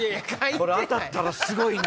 これ当たったらすごいな。